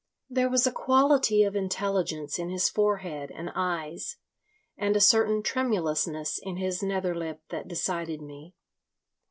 There was a quality of intelligence in his forehead and eyes, and a certain tremulousness in his nether lip that decided me.